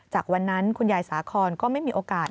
จากวันนั้นคุณยายสาคอนก็ไม่มีโอกาส